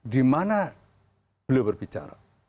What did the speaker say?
di mana belum berbicara